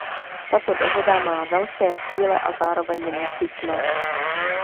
Tato dohoda má velké cíle a zároveň je nezbytná.